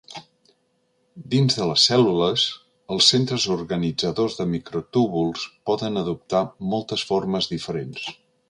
Dins de les cèl·lules, els centres organitzadors de microtúbuls poden adoptar moltes formes diferents.